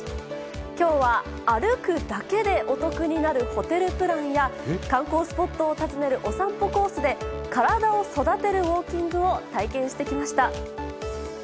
きょうは歩くだけでお得になるホテルプランや、観光スポットを訪ねるお散歩コースで、体を育てるウォーキングを体験してきました。